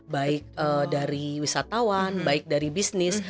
baik dari wisatawan baik dari bisnis